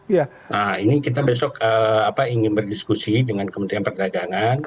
ya nah ini kita besok ingin berdiskusi dengan kementerian perdagangan